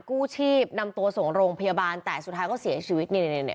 กู้ชีพนำตัวส่งโรงพยาบาลแต่สุดท้ายก็เสียชีวิตนี่